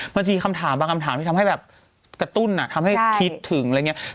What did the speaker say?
มันจะมีบางคำถามที่ทำให้กระตุ้นถึงอะไรอย่างนี้